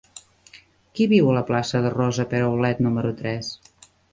Qui viu a la plaça de Rosa Peraulet número tres?